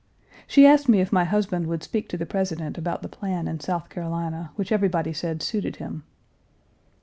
She asked me if my husband would speak to the President about the plan in South Carolina, which everybody said suited him.